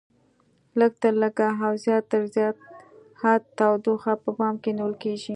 لږ تر لږه او زیات تر زیات حد تودوخه په پام کې نیول کېږي.